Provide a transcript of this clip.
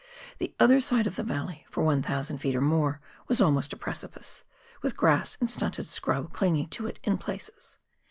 The other side of the valley, for 1,000 ft. or more, was almost a precipice, with grass and stunted scrub clinging to it in places.